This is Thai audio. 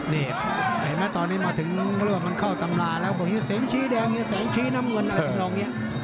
เห็นไหมตอนนี้เราถึงเข้ากลามรากว่าสินทรียร์แดงสินทรีย์น้ำเงิน